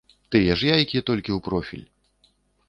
Тыя ж яйкі, толькі ў профіль.